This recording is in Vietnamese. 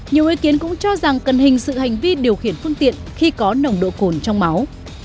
nhiều ý kiến cũng cho rằng cần hình sự hành vi điều khiển phương tiện khi có nồng độ cồn trong máu